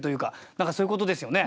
何かそういうことですよね。